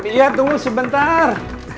iya tunggu sebentar